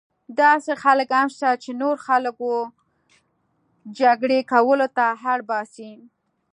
داسې خلک هم شته چې نور خلک وه جګړې کولو ته اړ باسي.